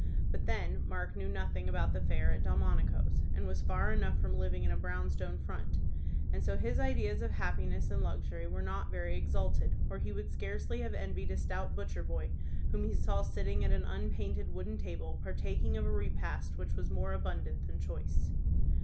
But then Mark knew nothing about the fare at Delmonico's, and was far enough from living in a brown stone front, and so his ideas of happiness and luxury were not very exalted, or he would scarcely have envied a stout butcher boy whom he saw sitting at an unpainted wooden table, partaking of a repast which was more abundant than choice.